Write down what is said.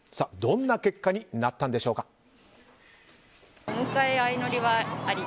どんな結果になったんでしょうか。